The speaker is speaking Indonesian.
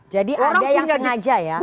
jadi ada yang sengaja ya